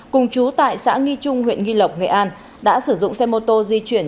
cùng chú tại xã nghi trung huyện nghi lộc nghệ an đã sử dụng xe mô tô di chuyển